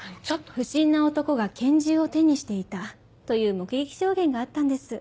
不審な男が拳銃を手にしていたという目撃証言があったんです。